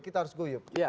kita harus guyup